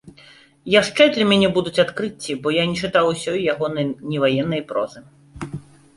Яшчэ для мяне будуць адкрыцці, бо я не чытаў усёй ягонай неваеннай прозы.